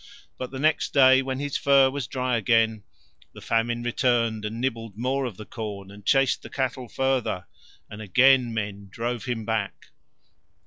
But the next day when his fur was dry again the Famine returned and nibbled more of the corn and chased the cattle further, and again men drove him back.